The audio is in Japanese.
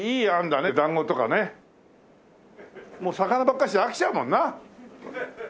もう魚ばっかしじゃ飽きちゃうもんな。